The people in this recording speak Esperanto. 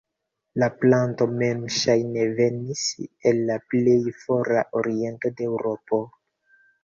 La planto mem ŝajne venis el la plej fora oriento de Eŭropo.